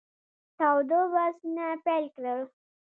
تاوده بحثونه پیل کړل.